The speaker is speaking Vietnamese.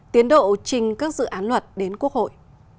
tiến độ trình các dự án luật đến quốc hội